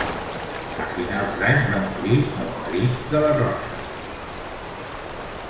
A finals d'any va morir el marit de la Rosa